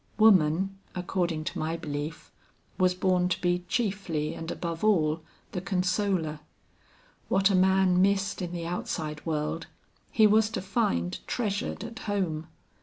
Woman, according to my belief, was born to be chiefly and above all, the consoler. What a man missed in the outside world, he was to find treasured at home.